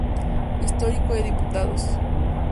Histórico de Diputados